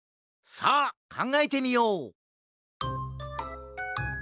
さあかんがえてみよう！